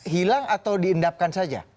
hilang atau diendapkan saja